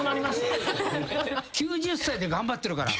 ９０歳で頑張ってるから。